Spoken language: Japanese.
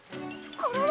コロロ！